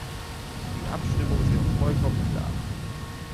Die Abstimmung ist jedoch vollkommen klar.